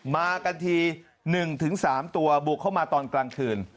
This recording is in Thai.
มากันที๑๓ตัวบุกเข้ามาตอนกลางคืน